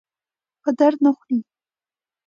په درد نه خوري.